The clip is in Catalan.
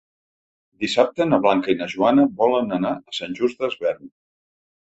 Dissabte na Blanca i na Joana volen anar a Sant Just Desvern.